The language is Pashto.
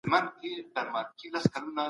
که څه هم دا وېشنه بشپړه نه ده خو موږ يې کاروو.